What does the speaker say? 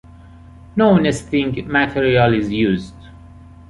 No nesting material is used.